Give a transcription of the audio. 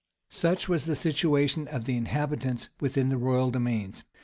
Such was the situation of the inhabitants within the royal demesnes.